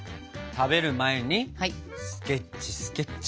食べる前にスケッチスケッチ。